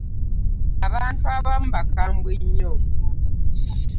Abantu abamu bakambwe nnyo.